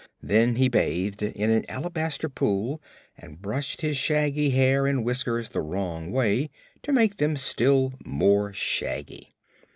Then he bathed in an alabaster pool and brushed his shaggy hair and whiskers the wrong way to make them still more shaggy.